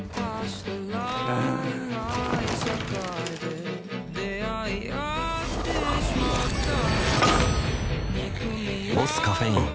うん「ボスカフェイン」